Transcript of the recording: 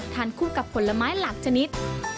คู่กับผลไม้หลักชนิด